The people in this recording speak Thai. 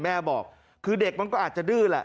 แม่บอกคือเด็กมันก็อาจจะดื้อแหละ